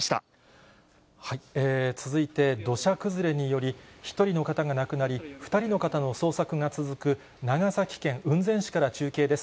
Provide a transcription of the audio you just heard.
続いて、土砂崩れにより、１人の方が亡くなり、２人の方の捜索が続く、長崎県雲仙市から中継です。